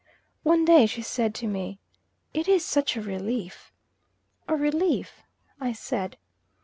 One day she said to me, "It is such a relief." "A relief?" I said.